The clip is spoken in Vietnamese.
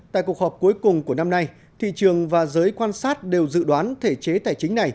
tại cuộc họp cuối cùng của năm nay thị trường và giới quan sát đều dự đoán thể chế tài chính này